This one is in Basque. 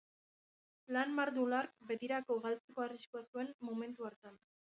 Lan mardul hark betirako galtzeko arriskua zuen momentu hartan.